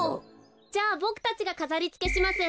じゃあボクたちがかざりつけします。